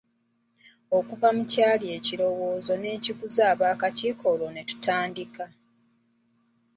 Okuva mu kyali ekirowoozo ne nkiguza abaakakiiko olwo ne tutandika.